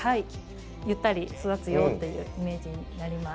ゆったり育つよっていうイメージになります。